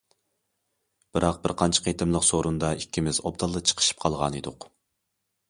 بىراق، بىر قانچە قېتىملىق سورۇندا ئىككىمىز ئوبدانلا چىقىشىپ قالغانىدۇق.